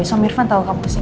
so mirvan tahu kamu kesini